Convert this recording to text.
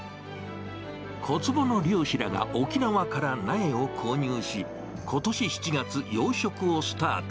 小坪の漁師らが沖縄から苗を購入し、ことし７月、養殖をスタート。